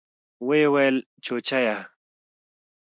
ويې ويل چوچيه.